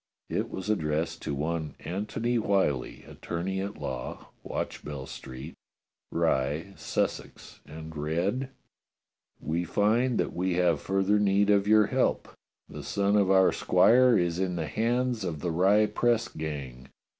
It was addressed to one Antony Whyllie, attorney at law, Watchbell Street, Rye, Sussex, and read : We find that we have further need of your help. The son of our squire is in the hands of the Rye press gang.